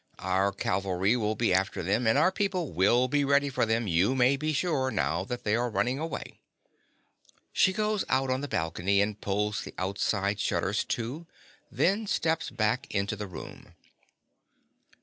Our cavalry will be after them; and our people will be ready for them you may be sure, now that they are running away. (_She goes out on the balcony and pulls the outside shutters to; then steps back into the room.